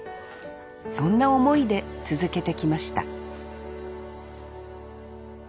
そんな思いで続けてきました